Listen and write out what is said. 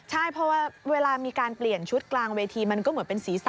ใช่เพราะว่าเวลามีการเปลี่ยนชุดกลางเวทีมันก็เหมือนเป็นศีรษะ